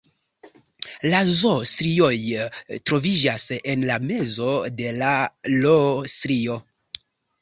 La Z-strioj troviĝas en la mezo de la I-strio.